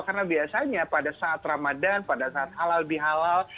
karena biasanya pada saat ramadan pada saat halal bihalal